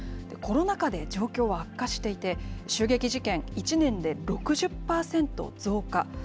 コロナ禍で状況は悪化していて、襲撃事件、１年で６０％増加。